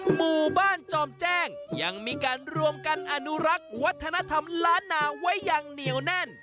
หมู่บ้านจอมแจ้งยังมีการรวมกันอนุรักษ์วัฒนธรรมล้านนาไว้อย่างเหนียวแน่น